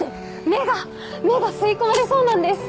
目が吸い込まれそうなんです！